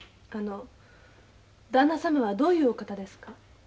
あのだんな様はどういうお方ですか？